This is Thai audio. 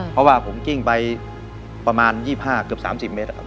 เพราะว่าผมกิ้งไปประมาณ๒๕เกือบ๓๐เมตรครับ